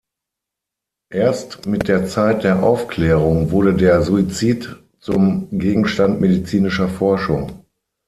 Erst mit der Zeit der Aufklärung wurde der Suizid zum Gegenstand medizinischer Forschung.